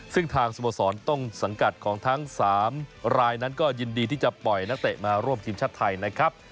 ซึ่งทางสโมสรต้นสังกัดของทั้ง๓รายนั้นก็ยินดีที่จะปล่อยนักเตะมาร่วมทีมชาติไทยนะครับ